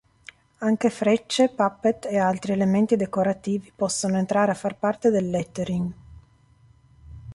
Anche frecce, puppet e altri elementi decorativi possono entrare a far parte del lettering.